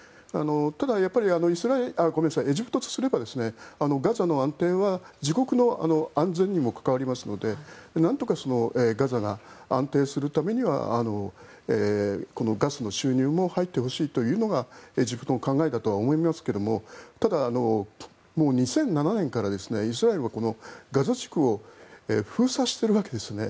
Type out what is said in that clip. ただ、やっぱりエジプトとすればガザの安定は自国の安全にも関わりますのでなんとかガザが安定するためにはこのガスの収入も入ってほしいというのがエジプトの考えだとは思いますけどただ、２００７年からイスラエルはこのガザ地区を封鎖しているわけですよね。